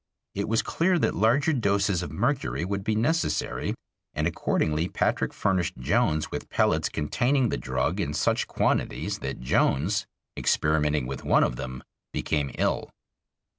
It was clear that larger doses of mercury would be necessary, and accordingly Patrick furnished Jones with pellets containing the drug in such quantities that Jones, experimenting with one of them, became ill.